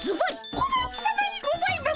小町さまにございます！